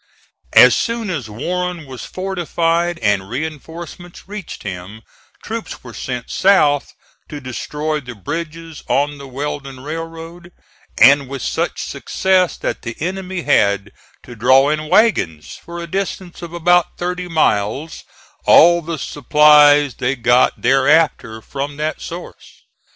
As soon as Warren was fortified and reinforcements reached him, troops were sent south to destroy the bridges on the Weldon Railroad; and with such success that the enemy had to draw in wagons, for a distance of about thirty miles, all the supplies they got thereafter from that source.